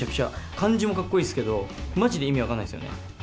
漢字もかっこいいですけど、まじで意味分かんないっすよね。